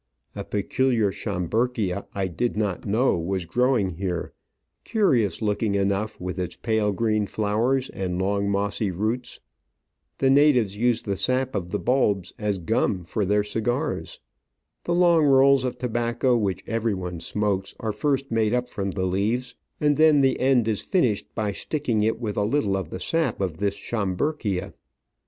A peculiar Schomburgkia I did not know was growing here, curious looking enough N Digitized by VjOOQIC 194 Travels and Adventures with its pale green flowers and long, mossy roots ; the natives use the sap of the bulbs as gum for their cigars. The long rolls of tobacco which everyone smokes are first made from the leaves, and then the end is finished by sticking it with a little of the sap of this Schomburgkia.